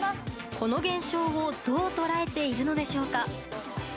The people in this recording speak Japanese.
この現象をどう捉えているのでしょうか。